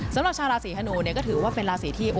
สำหรับชาวราศีธนูเนี่ยก็ถือว่าเป็นราศีที่